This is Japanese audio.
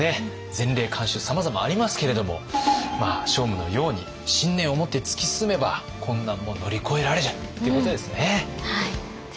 前例慣習さまざまありますけれども聖武のように信念をもって突き進めば困難も乗り越えられるっていうことですね。